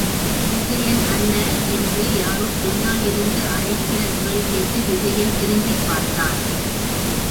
விஜயன் அண்ணே. என்று யாரோ பின்னால் இருந்து அழைக்கிற குரல்கேட்டு விஜயன் திருப்பிப் பார்த்தான்.